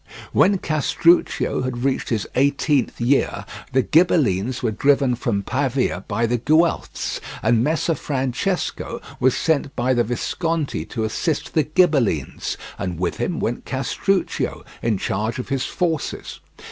When Castruccio had reached his eighteenth year, the Ghibellines were driven from Pavia by the Guelphs, and Messer Francesco was sent by the Visconti to assist the Ghibellines, and with him went Castruccio, in charge of his forces.